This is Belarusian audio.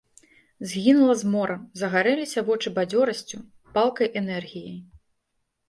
Згінула змора, загарэліся вочы бадзёрасцю, палкай энергіяй.